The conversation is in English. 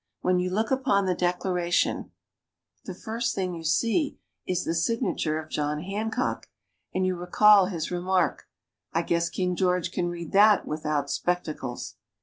When you look upon the Declaration the first thing you see is the signature of John Hancock, and you recall his remark, "I guess King George can read that without spectacles."